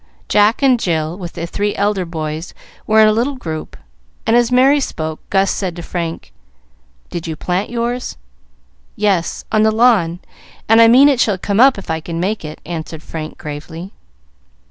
Jack and Jill, with the three elder boys, were in a little group, and as Merry spoke, Gus said to Frank, "Did you plant yours?" "Yes, on the lawn, and I mean it shall come up if I can make it," answered Frank, gravely.